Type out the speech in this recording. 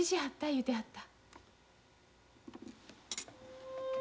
言うてはった。